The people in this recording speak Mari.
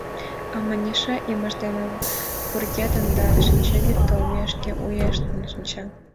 А Маняша имыж дене пургедын да шинчавӱд толмешке уэштын шинча.